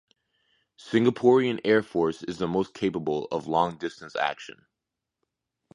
Singaporean air force is the most capable of long distance action.